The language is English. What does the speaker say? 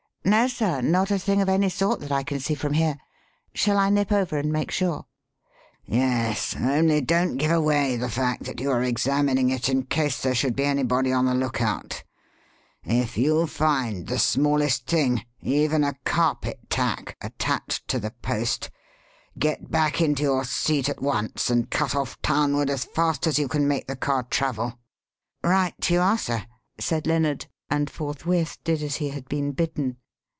"No, sir, not a thing of any sort that I can see from here. Shall I nip over and make sure?" "Yes. Only don't give away the fact that you are examining it in case there should be anybody on the lookout. If you find the smallest thing even a carpet tack attached to the post, get back into your seat at once and cut off townward as fast as you can make the car travel." "Right you are, sir," said Lennard, and forthwith did as he had been bidden.